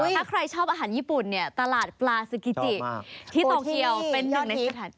ถ้าใครชอบอาหารญี่ปุ่นเนี่ยตลาดปลาซึกิที่โตเกียวเป็นหนึ่งในสถานที่